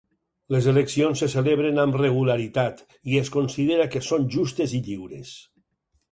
Les eleccions se celebren amb regularitat, i es considera que són justes i lliures.